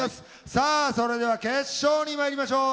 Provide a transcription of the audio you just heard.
さあそれでは決勝にまいりましょう。